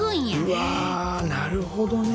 うわなるほどね！